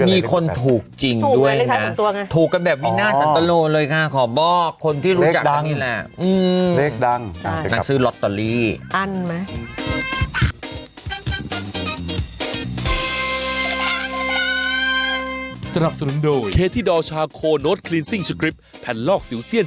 มีคนถูกจริงด้วยนะถูกกันแบบวินาทันตรวงเลยค่ะขอบอกคนที่รู้จักกันนี่แหละอืมนักซื้อลอตเตอรี่